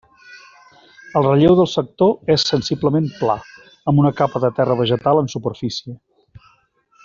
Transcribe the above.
El relleu del sector és sensiblement pla, amb una capa de terra vegetal en superfície.